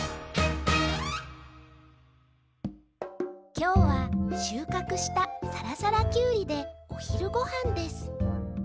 きょうはしゅうかくしたさらさらキュウリでおひるごはんです